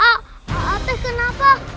ak kakak teh kenapa